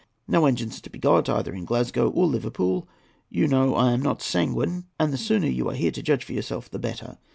No engines are to be got either in Glasgow or Liverpool. You know I am not sanguine, and the sooner you are here to judge for yourself the better.